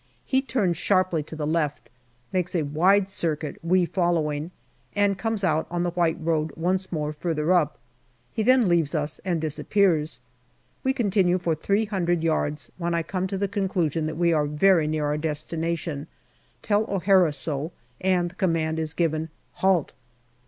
He turns sharply to the left, makes a wide circuit, we following, and comes out on the white road once more farther up. He then leaves us and disappears. We continue for three hundred yards, when I come to the conclusion that we are very near our destination, tell O'Hara so, and the command is given " Halt